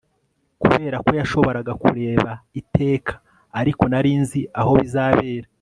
Kuberako yashoboraga kureba iteka ariko nari nzi aho bizabera